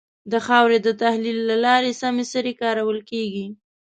د خاورې د تحلیل له لارې سمه سري کارول کېږي.